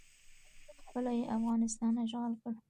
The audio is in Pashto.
خپله یې افغانستان اشغال کړ